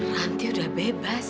tante sudah bebas